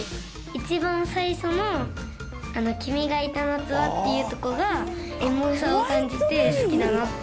一番最初の君がいた夏はっていうところが、エモさを感じて好きだなって。